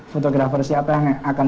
fotografer siapa yang akan